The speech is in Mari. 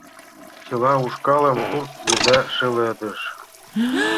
Чыла ушкалым сурт еда шеледыш.